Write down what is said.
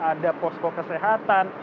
ada pospo kesehatan